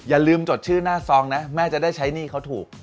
อย่าลืมจดชื่อหน้าซองนะแม่จะได้ใช้หนี้เขาถูก